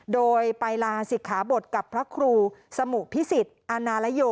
โดยไปลาศิกขาบทกับพระครูสมุพิสิทธิ์อาณาลโย